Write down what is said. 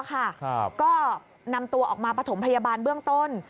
ก็นำตัวออกมาประถมพยาบาลเบื้องต้น